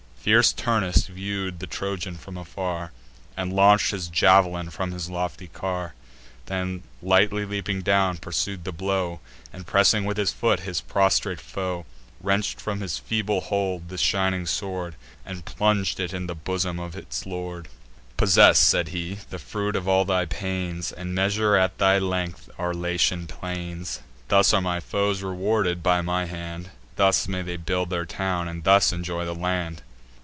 Fierce Turnus view'd the Trojan from afar, And launch'd his jav'lin from his lofty car; Then lightly leaping down, pursued the blow, And, pressing with his foot his prostrate foe, Wrench'd from his feeble hold the shining sword, And plung'd it in the bosom of its lord. "Possess," said he, "the fruit of all thy pains, And measure, at thy length, our Latian plains. Thus are my foes rewarded by my hand; Thus may they build their town, and thus enjoy the land!"